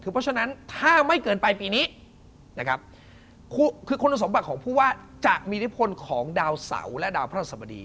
เพราะฉะนั้นถ้าไม่เกินไปปีนี้นะครับคือคุณสมบัติของผู้ว่าจะมีอิทธิพลของดาวเสาและดาวพระราชสบดี